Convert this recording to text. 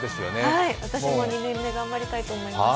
私も２年目、頑張りたいと思います。